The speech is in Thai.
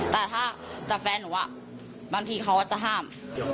แต่ถ้ากับแฟนหนูบางทีเขาก็จะห้าม